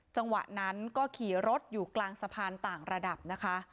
จังหวะนั้นก็ขี่รถอยู่กลางสะพานต่างระดับนะคะ